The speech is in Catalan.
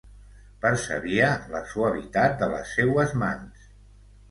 Percebia la suavitat de les seues mans.